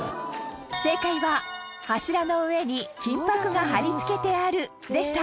正解は「柱の上に金箔が貼り付けてある」でした